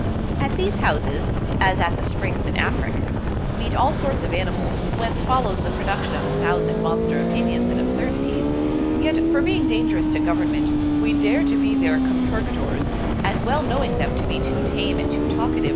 At these Houses (as at the Springs in Afric) meet all sorts of Animals, whence follows the production of a thousand Monster Opinions and Absurdities; yet for being dangerous to Government, we dare be their Compurgaters, as well knowing them to be too tame and too talkative <<p.